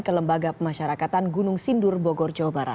ke lembaga pemasyarakatan gunung sindur bogor jawa barat